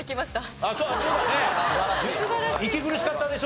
息苦しかったでしょ？